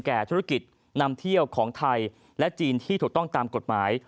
ธุรกิจนำเที่ยวของไทยและจีนที่ถูกต้องตามกฎหมาย